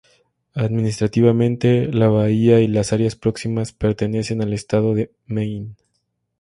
Administrativamente, la bahía y las áreas próximas pertenecen al estado de Maine.